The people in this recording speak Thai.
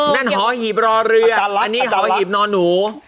หอหีบรอเรืออันนี้สหีบนอนหนู